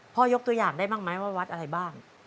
ยกตัวอย่างได้บ้างไหมว่าวัดอะไรบ้าง